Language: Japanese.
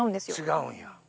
違うんや。